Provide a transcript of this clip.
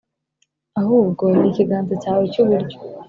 Ahubwo nikiganza cyawe cyuburyo